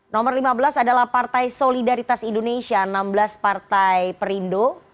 nomor lima belas adalah partai solidaritas indonesia enam belas partai perindo